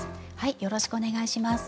よろしくお願いします。